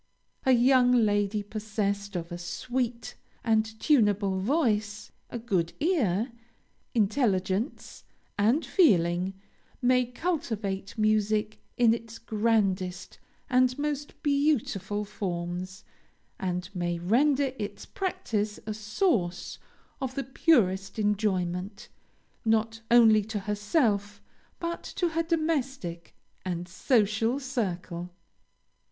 A young lady possessed of a sweet and tunable voice, a good ear, intelligence, and feeling, may cultivate music in its grandest and most beautiful forms, and may render its practice a source of the purest enjoyment, not only to herself but to her domestic and social circle.